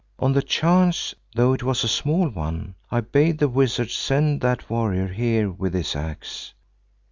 On the chance, though it was a small one, I bade the wizard send that warrior here with his axe.